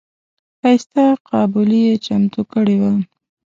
ښایسته قابلي یې چمتو کړې وه.